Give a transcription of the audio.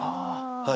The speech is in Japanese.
はい。